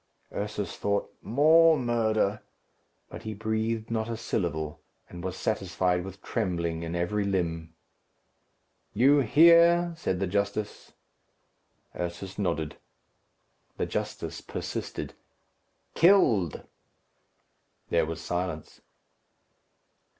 Ursus thought, "More murder!" but he breathed not a syllable, and was satisfied with trembling in every limb. "You hear?" said the justice. Ursus nodded. The justice persisted, "Killed." There was silence.